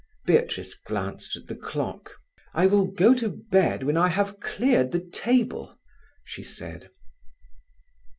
Beatrice glanced at the clock. "I will go to bed when I have cleared the table," she said.